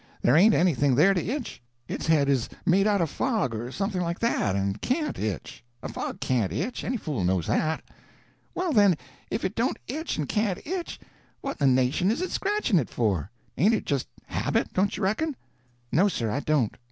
There ain't anything there to itch; its head is made out of fog or something like that, and can't itch. A fog can't itch; any fool knows that." "Well, then, if it don't itch and can't itch, what in the nation is it scratching it for? Ain't it just habit, don't you reckon?" "No, sir, I don't.